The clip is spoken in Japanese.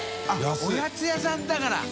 造ぁおやつ屋さんだから。